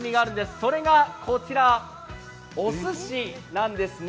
それがこちら、おすしなんですね。